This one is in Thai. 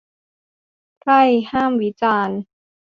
ไพร่ห้ามวิจารณ์ !